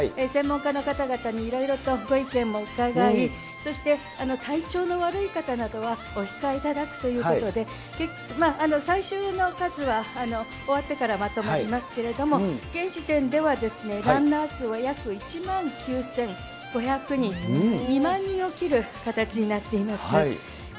専門家の方々にいろいろとご意見も伺い、そして体調の悪い方などはお控えいただくということで、最終の数は終わってからまとまりますけれども、現時点ではランナー数は約１万９５００人と、２万人を切る形になっています。